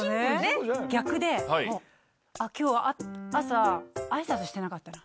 逆で朝あいさつしてなかったな。